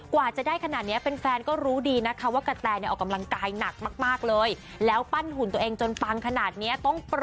กว่าจะได้ขนาดนี้เป็นแฟนก็รู้ดีนะคะว่ากระแตออกำลังกายหนักมากเลย